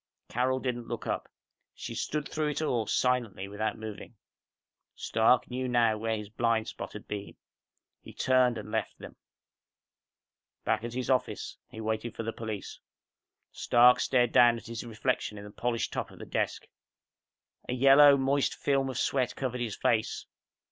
Carol didn't look up. She stood through it all, silently, without moving. Stark knew now where his blind spot had been. He turned and left them. Back at his office, he waited for the police. Stark stared down at his reflection in the polished top of the desk. A yellow, moist film of sweat covered his face.